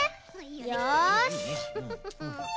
よし！